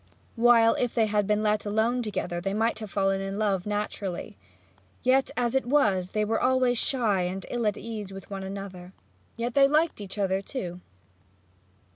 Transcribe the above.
So it came about that, while if they had been let alone they might have fallen in love naturally, yet as it was they were always shy and ill at ease with one another. Yet they liked each other, too.